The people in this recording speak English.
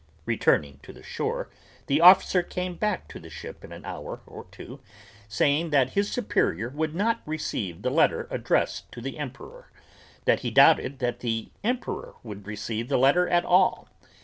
Returning to the shore the officer came back to the ship in an hour or two saying that his superior would not receive the letter addressed to the Emperor; that he doubted that the Emperor would receive the letter at all.